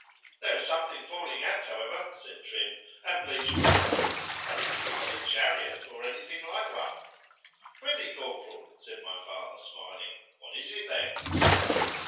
There is something falling out, however, said Trim, an' please your Honour;—but it is not a chariot, or any thing like one:—Prithee, Corporal, said my father, smiling, what is it then?